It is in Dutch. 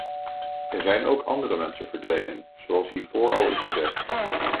Er zijn ook andere mensen verdwenen, zoals hiervoor al is gezegd.